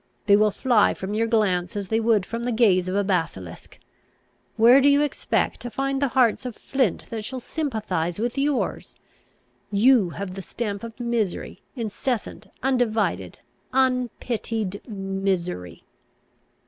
They will fly from your glance as they would from the gaze of a basilisk. Where do you expect to find the hearts of flint that shall sympathise with yours? You have the stamp of misery, incessant, undivided, unpitied misery!"